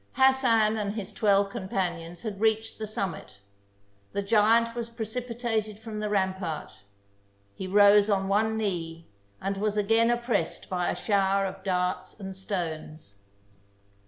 Hassan and his twelve companions had reached the summit; the giant was precipitated from the rampart; he rose on one knee, and was again oppressed by a shower of darts and stones.